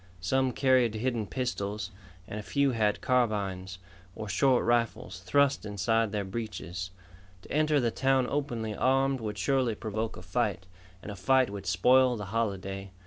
Some carried hidden pistols, and a few had carbines, or short rifles, thrust inside their breeches. To enter the town openly armed would surely provoke a fight, and a fight would spoil the holiday.